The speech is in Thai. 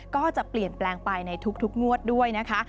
ก็จะเปลี่ยนแปลงไปในทุกงวดด้วยนะคะ